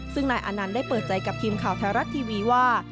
ซึ่งนายอานันต์ได้เปิดใจกับทีมข่าวไทยรัฐทีวีว่า